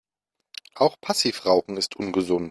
Auch Passivrauchen ist ungesund.